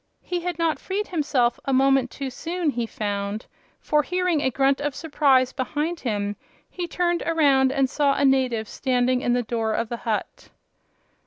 He had not freed himself a moment too soon, he found, for hearing a grunt of surprise behind him he turned around and saw a native standing in the door of the hut.